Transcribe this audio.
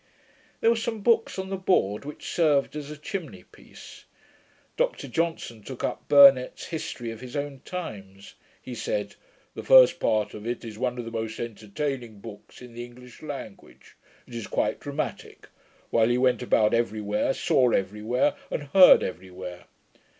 There were some books on the board which served as a chimney piece. Dr Johnson took up Burnet's History of his own Times. He said, 'The first part of it is one of the most entertaining books in the English language; it is quite dramatick: while he went about every where, saw every where, and heard every where.